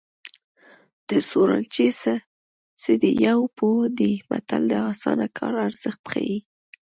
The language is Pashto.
د سورناچي څه دي یو پو دی متل د اسانه کار ارزښت ښيي